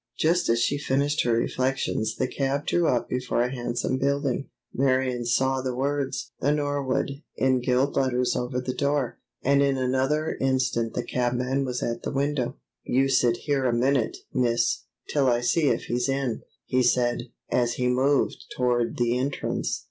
Just as she finished her reflections the cab drew up before a handsome building. Marion saw the words "The Norwood" in gilt letters over the door, and in another instant the cabman was at the window. "You sit here a minute, miss, till I see if he's in," he said, as he moved toward the entrance.